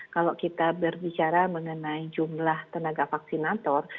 kalau kita berbicara mengenai jumlah tenaga vaksinator